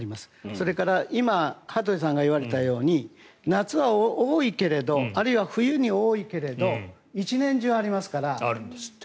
それから今、羽鳥さんが言われたように夏は多いけれどあるいは冬に多いけれど一年中ありますから。